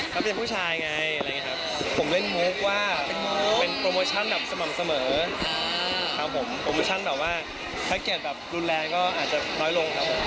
ก็เป็นผู้ชายไงผมเล่นโมกว่าเป็นโปรโมชั่นแบบเสมอโปรโมชั่นแบบว่าถ้าเกดแบบรุนแรงก็อาจจะน้อยลงครับผม